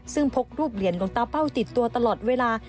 ซึ่งพกรูปเหรียญหลวงตาเป้าติดตัวตลอดเวลา